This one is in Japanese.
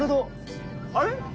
あれ？